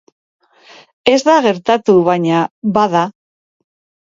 Ez da gertatu baina, bada